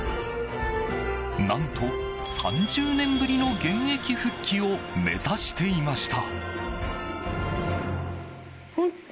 何と３０年ぶりの現役復帰を目指していました。